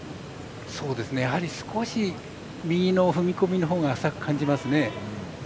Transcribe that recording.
やはり少し右の踏み込みのほうが浅く感じますね。